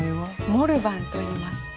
モルバンといいます。